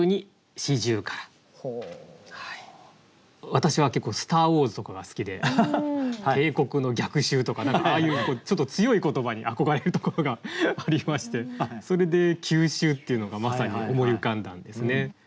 私は結構「スター・ウォーズ」とかが好きで「帝国の逆襲」とかああいうちょっと強い言葉に憧れるところがありましてそれで「急襲」っていうのがまさに思い浮かんだんですね。